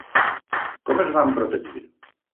Com es van protegir?